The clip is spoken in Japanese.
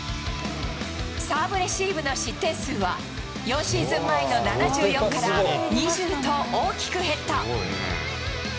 サーブレシーブの失点数は、４シーズン前の７４から２０と大きく減った。